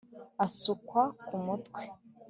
asukwa ku mutwe